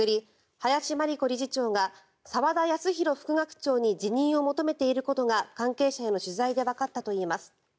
林真理子理事長が澤田康広副学長に辞任を求めていることが関係者への取材でわかったということです。